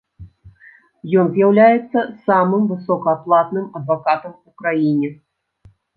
Ён з'яўляецца самым высокааплатным адвакатам у краіне.